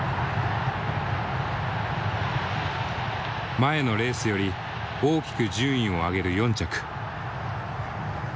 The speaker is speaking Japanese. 前のレースより大きく順位を上げる４着。